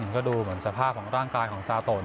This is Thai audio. ก็ดูเหมือนสภาพของร่างกายของซาโต